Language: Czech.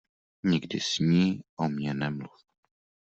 Nikdy s ní o mně nemluv.